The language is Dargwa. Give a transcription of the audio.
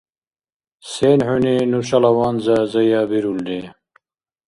Сен хӀуни нушала ванза заябирулри?